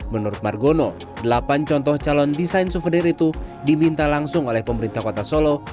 menurut margono delapan contoh calon desain souvenir itu diminta langsung oleh pemerintah kota solo